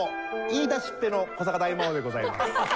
言い出しっぺの古坂大魔王でございます。